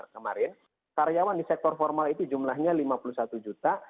kemarin karyawan di sektor formal itu jumlahnya lima puluh satu juta